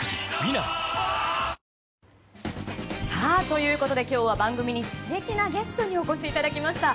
ということで今日は番組に素敵なゲストにお越しいただきました。